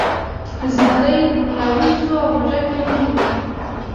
زمری راویښ شو او موږک یې ونیو.